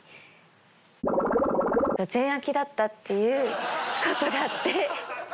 だったっていうことがあって。